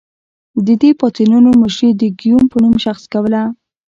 د دې پاڅونونو مشري د ګیوم په نوم شخص کوله.